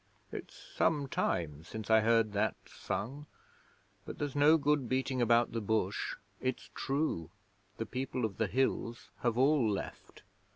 'It's some time since I heard that sung, but there's no good beating about the bush: it's true. The People of the Hills have all left.